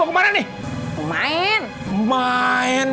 ya apa yang kamu cakap